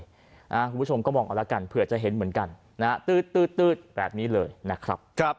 คุณผู้ชมก็มองเอาละกันเผื่อจะเห็นเหมือนกันนะฮะตื๊ดแบบนี้เลยนะครับ